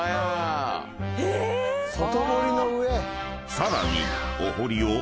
［さらに］